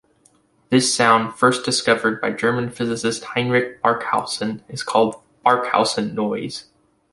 This sound, first discovered by German physicist Heinrich Barkhausen, is called Barkhausen noise.